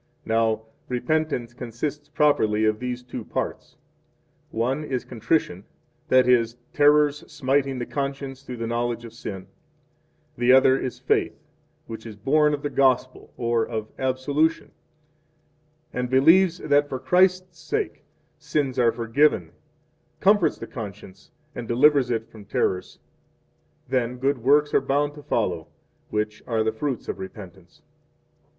Now, repentance consists properly of these 3 two parts: One is contrition, that is, 4 terrors smiting the conscience through the knowledge of sin; the other is faith, which is born of 5 the Gospel, or of absolution, and believes that for Christ's sake, sins are forgiven, comforts 6 the conscience, and delivers it from terrors. Then good works are bound to follow, which are the fruits of repentance.